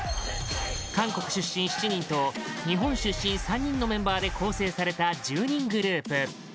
韓国出身７人と日本出身３人のメンバーで構成された１０人グループ